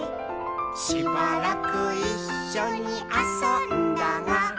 「しばらくいっしょにあそんだが」